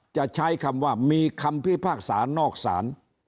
จะใช้คำว่ามีคำพิพากษานอกศาล